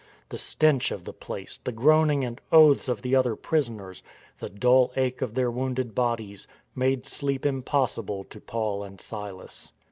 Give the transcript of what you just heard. The stench of the place, the groaning and oaths of the other prisoners, the dull ache of their wounded bodies, made sleep impossible to Paul and Silas.